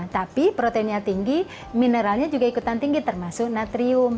tapi proteinnya tinggi mineralnya juga ikutan tinggi termasuk natrium